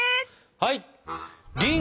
はい！